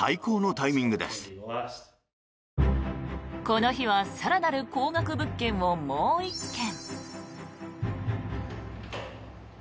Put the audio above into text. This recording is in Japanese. この日は更なる高額物件をもう１軒。